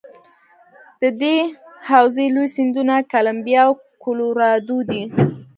د دې حوزې لوی سیندونه کلمبیا او کلورادو دي.